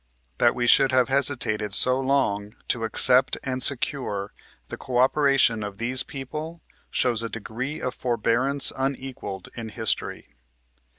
That we should have hesitated so long to accept and secure the co operation of these people, shows a degree of forbearance unequalled iu history.